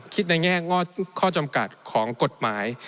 คิดในแง่ของข้อจำกัดของกฎหมาย